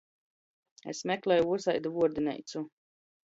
Es mekleju vysaidu vuordineicu.